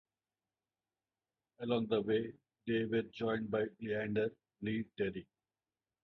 Along the way they were joined by Leander "Lee" Terry.